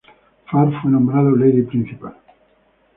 Farr fue nombrada Lady Principal.